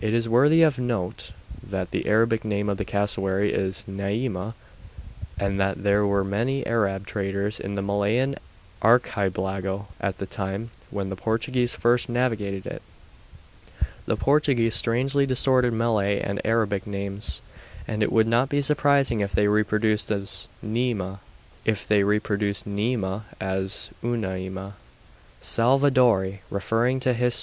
It is worthy of note that the Arabic name of the cassowary is 'neâma', and that there were many Arab traders in the Malayan Archipelago at the time when the Portuguese first navigated it. The Portuguese strangely distorted Malay and Arabic names, and it would not be surprising if they reproduced 'neâma' as 'uma ema.' Salvadori, referring to _Hist.